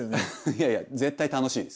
いやいや絶対楽しいです。